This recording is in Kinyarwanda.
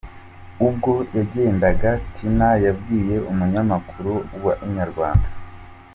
Ubwo yagendaga Tina yabwiye umunyamakuru wa Inyarwanda.